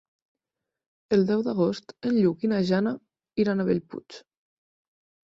El deu d'agost en Lluc i na Jana iran a Bellpuig.